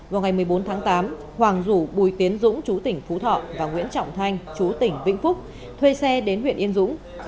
vào ngày một mươi bốn tháng tám hoàng rủ bùi tiến dũng chú tỉnh phú thọ và nguyễn trọng thanh chú tỉnh vĩnh phúc thuê xe đến huyện yên dũng